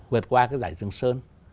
vượt qua cái dãy trường sơn